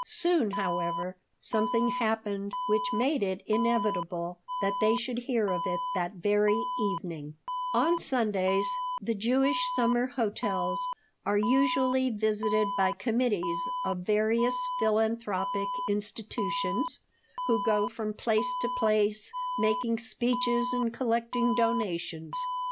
Soon, however, something happened which made it inevitable that they should hear of it that very evening On Sundays the Jewish summer hotels are usually visited by committees of various philanthropic institutions who go from place to place making speeches and collecting donations.